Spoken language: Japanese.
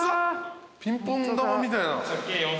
ピンポン球みたいな。